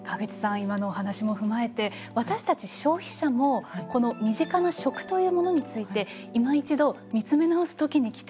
今のお話も踏まえて私たち消費者もこの身近な食というものについていま一度見つめ直す時に来ているということなんでしょうか？